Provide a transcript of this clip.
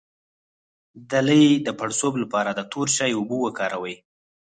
د لۍ د پړسوب لپاره د تور چای اوبه وکاروئ